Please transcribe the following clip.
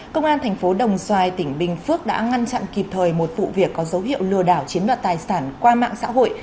công an thành phố đồng xoài tỉnh bình phước đã ngăn chặn kịp thời một vụ việc có dấu hiệu lừa đảo chiếm đoạt tài sản qua mạng xã hội